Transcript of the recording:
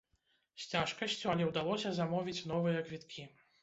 З цяжкасцю, але ўдалося замовіць новыя квіткі!